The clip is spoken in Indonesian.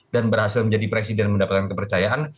dan berhasil menjadi presiden mendapatkan kepercayaan